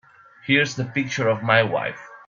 Here's the picture of my wife.